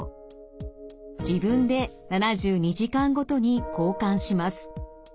自分で７２時間ごとに交換します。